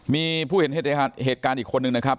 มีผู้เห็นเหตุการณ์อีกคนนึงนะครับ